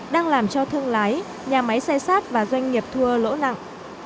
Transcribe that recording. đang làm cho thương lái nhà máy xây sát và doanh nghiệp thua lỗ nặng